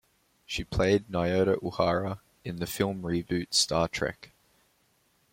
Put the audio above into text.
She played Nyota Uhura in the film reboot Star Trek.